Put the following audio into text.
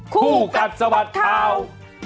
คู่กัดสวัสดิ์ทาวน์